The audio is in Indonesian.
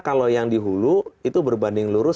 kalau yang dihulu itu berbanding lurus